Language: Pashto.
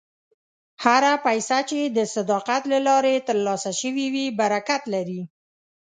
هره پیسه چې د صداقت له لارې ترلاسه شوې وي، برکت لري.